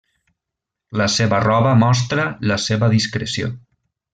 La seva roba mostra la seva discreció.